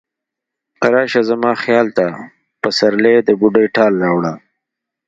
راشه زما خیال ته، پسرلی د بوډۍ ټال راوړه